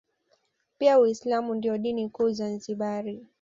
Pia uislamu ndio dini kuu Zanzibari